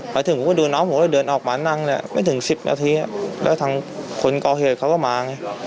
ไปถึงผมก็ดูน้องผมก็เลยเดินออกมานั่งเนี่ยไม่ถึง๑๐นาทีแล้วทางคนก่อเหตุเขาก็มาไง